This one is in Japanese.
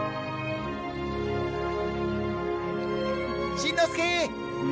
しんのすけ！